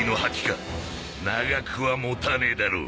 長くは持たねえだろ。